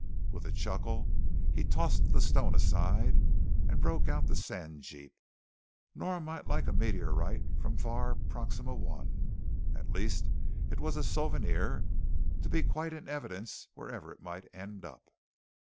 With a chuckle, he tossed the stone aside and broke out the sand jeep. Nora might like a meteorite from far Proxima I. At least, it was a souvenir to be quite in evidence wherever it might end up.